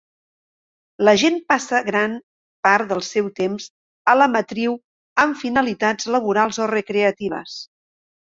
La gent passa gran part del seu temps a la "matriu" amb finalitats laborals o recreatives.